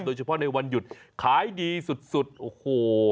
โดยเฉพาะในวันหยุดขายดีสุดโอ้โห